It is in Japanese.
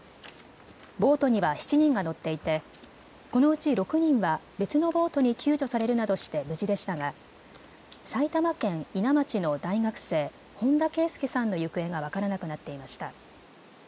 ボートには７人が乗っていてこのうち６人は別のボートに救助されるなどして無事でしたが埼玉県伊奈町の大学生、本田啓祐さんの行方が分からなくなっていました。